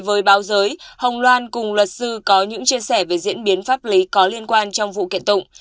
với báo giới hồng loan cùng luật sư có những chia sẻ về diễn biến pháp lý có liên quan trong vụ kiện tụng